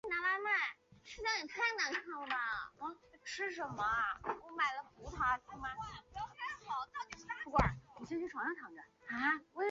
当前维也纳政府将建筑当作一个旅游景点。